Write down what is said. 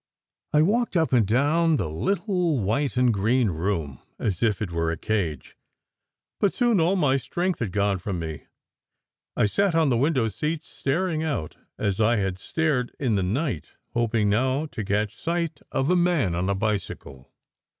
I walked up and down the little white and green room as if it were a cage, but soon all my strength had gone from me. I sat on the window seat, staring out as I had stared in the night, hoping now to catch sight of a man on a bicycle.